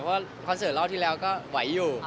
เพราะคอนเสิร์ตรอบที่แล้วก็ไหวอยู่